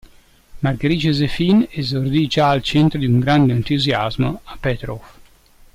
Marguerite-Joséphine esordì già al centro di un grande entusiasmo a Peterhof.